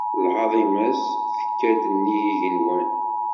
Lɛaḍima-s tekka-d nnig yigenwan.